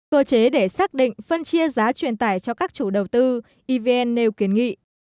cơ chế để xác định phân chia giá truyền tải cho các chủ đầu tư evn nêu kiến nghị